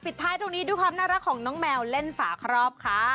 ติดท้ายตรงนี้ดูครับนักรักของน้องแมวเล่นฝาครอบค่ะ